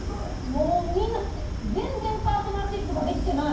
もうみんな全然パートナーシップができてない！